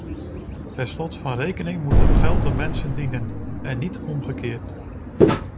Per slot van rekening moet het geld de mensen dienen en niet omgekeerd!